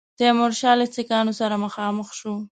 تیمورشاه له سیکهانو سره مخامخ شو.